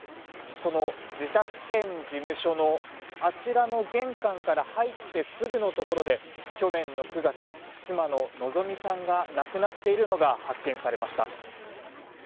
その自宅兼事務所のあちらの玄関から入ってすぐのところで去年の９月、妻の希美さんが亡くなっているのが発見されました。